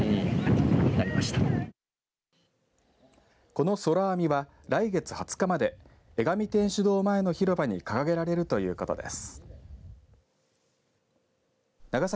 このそらあみは来月２０日まで江上天主堂前の広場に掲げられるということです。